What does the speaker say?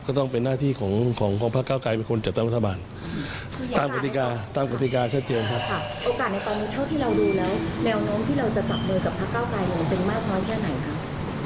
ก็ต้องเป็นหน้าที่ของพระเก้าไกรเป็นคนจัดตั้งรัฐบาลตามกฎิกาตามกฎิกาชัดเจนครับ